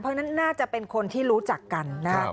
เพราะฉะนั้นน่าจะเป็นคนที่รู้จักกันนะครับ